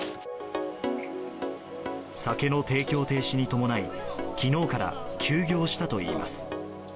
酒の提供停止に伴い、きのうから休業したといいます。